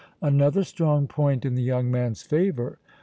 "Another strong point in the young man's favor.